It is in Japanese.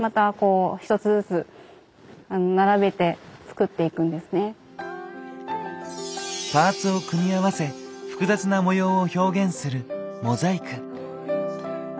こっちがあのパーツを組み合わせ複雑な模様を表現するモザイク。